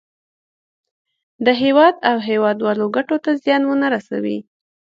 د هېواد او هېوادوالو ګټو ته زیان ونه رسوي.